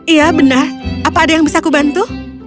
iya benar apa ada yang bisa kubantu